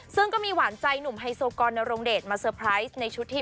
ซึ่งก็มีหวานใจหนุ่มไฮโซกรนรงเดชมาเตอร์ไพรส์ในชุดที่